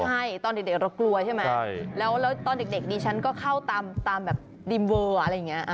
ใช่ตอนเด็กเรากลัวใช่ไหมแล้วตอนเด็กดิฉันก็เข้าตามแบบดิมเวอร์อะไรอย่างนี้